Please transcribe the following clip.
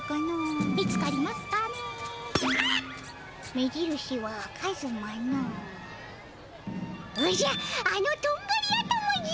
目じるしはカズマのおじゃあのとんがり頭じゃ！